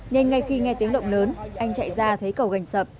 nên ngay khi nghe tiếng động lớn anh chạy ra thấy cầu gành sập